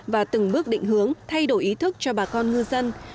và từng bước định hướng thay đổi ý thức cho bà con ngư dân